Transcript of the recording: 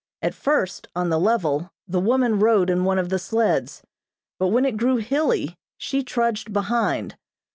At first, on the level, the woman rode in one of the sleds, but when it grew hilly, she trudged behind.